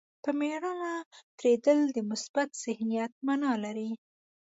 په مېړانه درېدل د مثبت ذهنیت معنا لري.